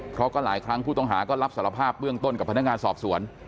เพราะก็หลายครั้งผู้ต้องหาก็รับสารภาพเบื้องต้นกับพนักงานสอบสวน